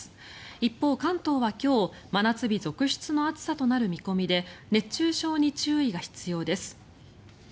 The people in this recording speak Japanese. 一方、関東は今日真夏日続出の暑さとなる見込みで熱中症に注意が必要です。